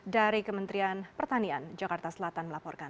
dari kementerian pertanian jakarta selatan melaporkan